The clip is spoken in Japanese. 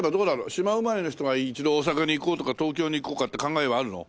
島生まれの人が一度大阪に行こうとか東京に行こうかって考えはあるの？